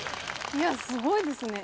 いやすごいですね。